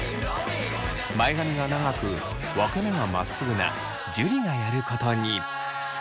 前髪が長く分け目がまっすぐな樹がやることに。